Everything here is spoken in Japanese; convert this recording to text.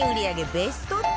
ベスト１０